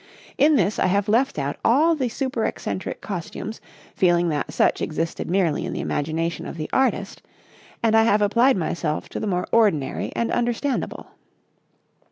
In this I have left out all the supereccentric costumes, fearing that such existed merely in the imagination of the artist, and I have applied myself to the more ordinary and understandable.